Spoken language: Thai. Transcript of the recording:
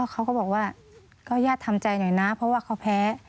เขาก็บอกว่าก็ญาติทำใจหน่อยนะเพราะว่าเขาแพ้